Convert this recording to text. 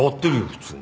普通に。